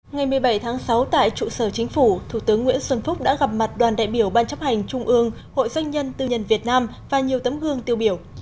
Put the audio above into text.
ngày một mươi bảy tháng sáu tại trụ sở chính phủ thủ tướng nguyễn xuân phúc đã gặp mặt đoàn đại biểu ban chấp hành trung ương hội doanh nhân tư nhân việt nam và nhiều tấm gương tiêu biểu